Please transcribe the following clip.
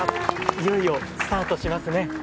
いよいよスタートしますね。